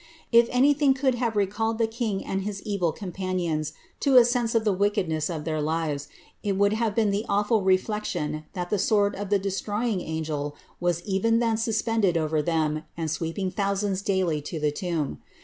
* If anything could have recalled the king and his evil companions tot sense of the wickedness of their lives, it would have been the awful re flection that the sword of the destroying angel was even then suspended over tliem, and sweeping thousands daily to tlie tomb.'